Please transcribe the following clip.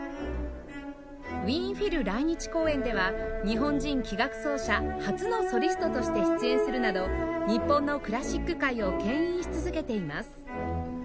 ウィーン・フィル来日公演では日本人器楽奏者初のソリストとして出演するなど日本のクラシック界を牽引し続けています